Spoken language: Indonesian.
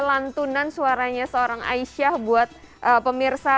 lantunan suaranya seorang aisyah buat pemirsa